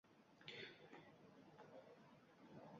uyalmaydigan darajada ibodatga bog'liq bo'lishga undardi.